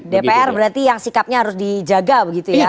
dpr berarti yang sikapnya harus dijaga begitu ya